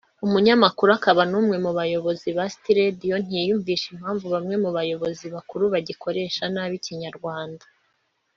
umunyamakuru akaba n’ umwe mu bayobozi ba City Radio ntiyiyumvisha impamvu bamwe mu bayobozi bakuru bagikoresha nabi Ikinyarwanda